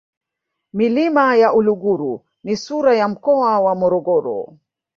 milima ya uluguru ni sura ya mkoa wa morogoro